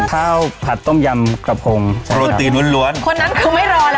ข้าวผัดต้มยำกระพงโรตีนรวนคนนั้นคือไม่รอแล้วครับ